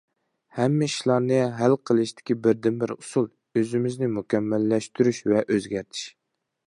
ھەممە ئىشلارنى ھەل قىلىشتىكى بىردىنبىر ئۇسۇل، ئۆزىمىزنى مۇكەممەللەشتۈرۈش ۋە ئۆزگەرتىش.